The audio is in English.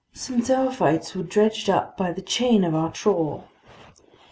Some zoophytes were dredged up by the chain of our trawl.